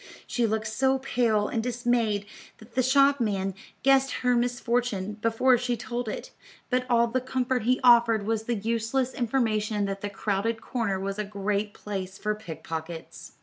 She looked so pale and dismayed that the shopman guessed her misfortune before she told it, but all the comfort he offered was the useless information that the crowded corner was a great place for pick pockets.